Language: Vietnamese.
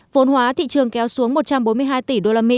vốn hóa thị trường kéo xuống một trăm bốn mươi hai tỷ usd